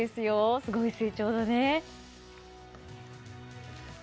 すごい成長だね。